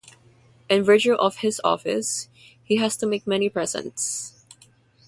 In virtue of his office he has to make many presents.